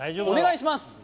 お願いします